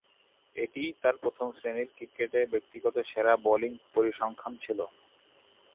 এটিই তার প্রথম-শ্রেণীর ক্রিকেটে ব্যক্তিগত সেরা বোলিং পরিসংখ্যান ছিল।